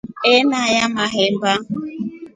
Eneyaa mahemba.